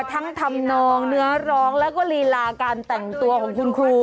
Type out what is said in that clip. ทำนองเนื้อร้องแล้วก็ลีลาการแต่งตัวของคุณครู